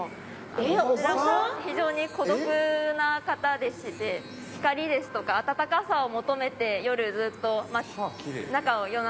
非常に孤独な方でして光ですとかあたたかさを求めて夜ずっと夜中。